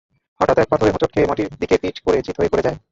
হঠাৎ এক পাথরে হোঁচট খেয়ে মাটির দিকে পিঠ করে চিত হয়ে পড়ে যায়।